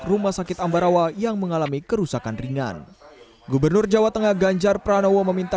rumah sakit ambarawa yang mengalami kerusakan ringan gubernur jawa tengah ganjar pranowo meminta